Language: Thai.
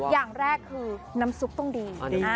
อย่างแรกคือน้ำซุปต้องดี